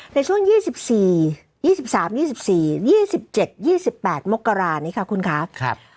ในช่วง๒๔๒๓๒๔๒๗๒๘มกรานี้ค่ะคุณครับ